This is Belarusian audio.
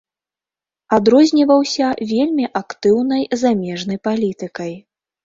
Адрозніваўся вельмі актыўнай замежнай палітыкай.